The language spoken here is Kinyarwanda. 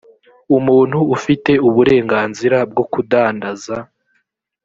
umuntu ufite uburenganzira bwo kudandaza